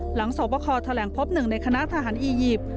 สวบคแถลงพบหนึ่งในคณะทหารอียิปต์